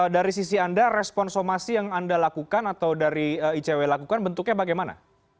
dari sisi anda responsomasi yang anda lakukan atau ijw lakukan bentuknya bagaimana